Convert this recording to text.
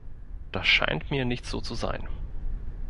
Das scheint mir nicht so zu sein.